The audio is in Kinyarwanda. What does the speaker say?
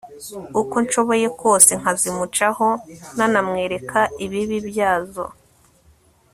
uko nshoboye kose nkazimucaho nanamwereka ibibi byazo